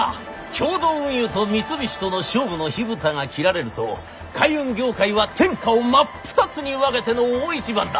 共同運輸と三菱との勝負の火蓋が切られると海運業界は天下を真っ二つに分けての大一番だ！